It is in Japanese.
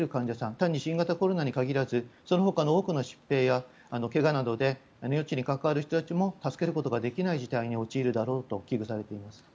単に新型コロナに限らずそのほかの多くの疾病や怪我などで命に関わる人たちも助けることができない事態に陥るだろうと危惧されています。